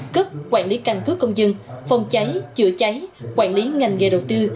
cấp quản lý căn cứ công dân phòng cháy chữa cháy quản lý ngành nghề đầu tư